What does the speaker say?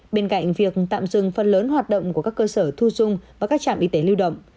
bên cạnh việc tạm dừng phần lớn hoạt động của các cơ sở thu dung và các trạm y tế lưu động